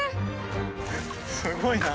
すごいな。